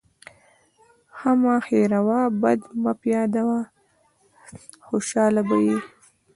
ښه مه هېروه، بد مه پیاده وه. خوشحاله به يې.